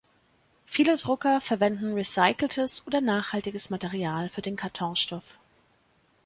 Viele Drucker verwenden recyceltes oder nachhaltiges Material für den Kartonstoff.